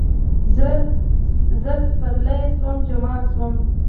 زر سپرلیه شوم، جمال شوم